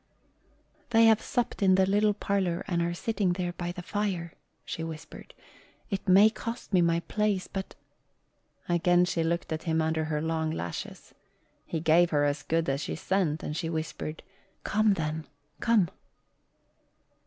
"They have supped in the little parlor and are sitting there by the fire," she whispered. "It may cost me my place but " Again she looked at him under her long lashes. He gave her as good as she sent, and she whispered, "Come, then come."